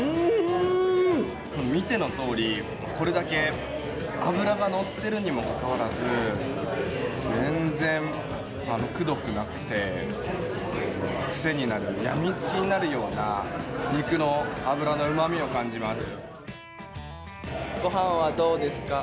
見てのとおり、これだけ脂がのってるにもかかわらず全然くどくなくて癖になる病みつきになるような肉の脂のうまみを感じます。